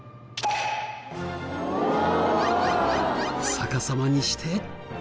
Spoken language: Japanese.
逆さまにして。